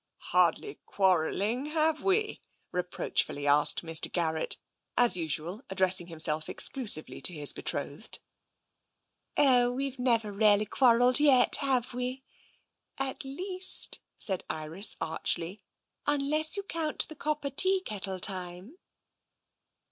" Hardly quarrelling, have we? " reproachfully asked Mr. Garrett, as usual addressing himself exclusively to his betrothed. "Oh, we've never really quarrelled yet, have we? At least,'* said Iris archly, " unless you count the copper tea kettle time."